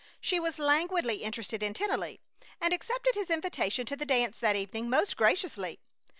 She was languidly interested in Tennelly and accepted his invitation to the dance that evening most graciously.